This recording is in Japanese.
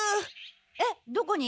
えっどこに？